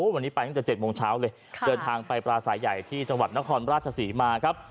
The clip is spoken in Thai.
วันนี้ไปตั้งแต่๗โมงเช้าเลยเดินทางไปปราศัยใหญ่ที่จังหวัดนครราชศรีมาครับ